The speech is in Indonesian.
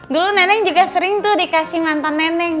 dulu neneng juga sering tuh dikasih mantan neneng